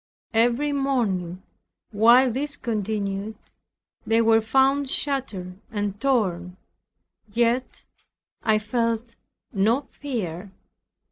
Every morning while this continued, they were found shattered and torn, yet I felt no fear.